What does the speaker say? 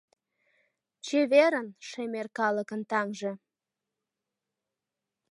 Чеверын, шемер калыкын таҥже!